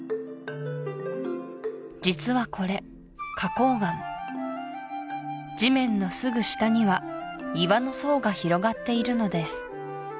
実はこれ花崗岩地面のすぐ下には岩の層が広がっているのです